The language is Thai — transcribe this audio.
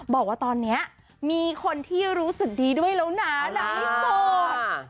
บอกว่าตอนเนี้ยมีคนที่รู้สึกดีด้วยด้วยละนะพี่โศด